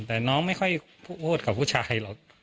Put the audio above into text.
แต่น้องไม่ค่อยพูดกับผู้ชายหรอก